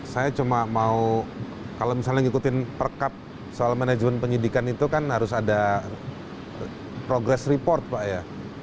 saya cuma mau kalau misalnya ngikutin perkap soal manajemen penyidikan itu kan harus ada progress report pak ya